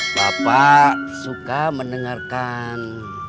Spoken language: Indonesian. bapak suka mendengarkan